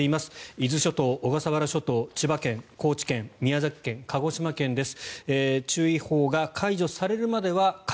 伊豆諸島、小笠原諸島千葉県、高知県宮崎県、鹿児島県です。